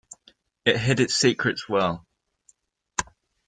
It hid its secret well.